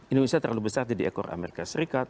indonesia terlalu besar jadi ekor amerika serikat